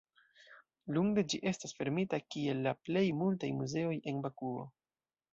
Lunde ĝi estas fermita kiel la plej multaj muzeoj en Bakuo.